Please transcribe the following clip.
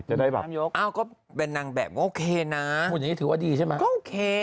จะได้แบบงั้นอย่างนี้ถือว่าดีใช่ไหมก็โอเค